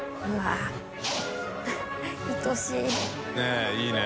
佑いいね。